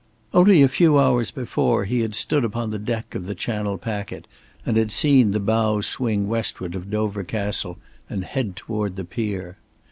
Only a few hours before he had stood upon the deck of the Channel packet and had seen the bows swing westward of Dover Castle and head toward the pier.